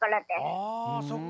ああそっか。